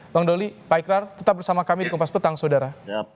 bang doli pak ikrar tetap bersama kami di kompas petang saudara